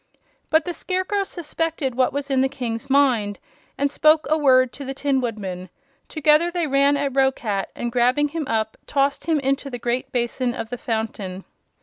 But the Scarecrow suspected what was in the King's mind and spoke a word to the Tin Woodman. Together they ran at Roquat and grabbing him up tossed him into the great basin of the fountain.